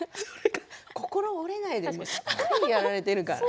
心折れないでしっかりやられているから。